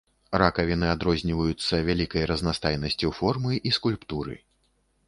Ракавіны адрозніваюцца вялікай разнастайнасцю формы і скульптуры.